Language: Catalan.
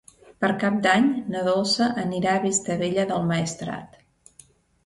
Per Cap d'Any na Dolça anirà a Vistabella del Maestrat.